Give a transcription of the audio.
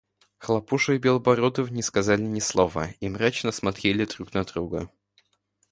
Хлопуша и Белобородов не сказали ни слова и мрачно смотрели друг на друга.